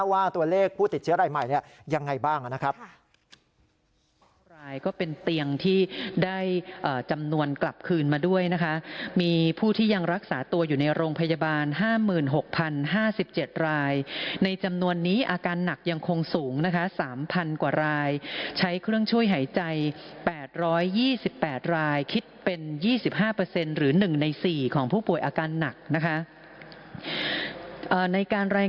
ว่าตัวเลขผู้ติดเชื้อรายใหม่เนี่ยยังไงบ้างนะครับ